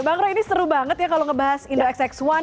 bang roy ini seru banget ya kalau ngebahas indoxxone